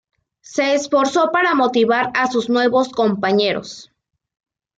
Se esforzó para motivar a sus nuevos compañeros.